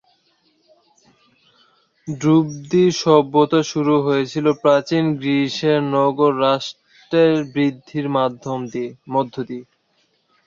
ধ্রুপদী সভ্যতা শুরু হয়েছিল প্রাচীন গ্রীসের নগর রাষ্ট্রের বৃদ্ধির মধ্য দিয়ে।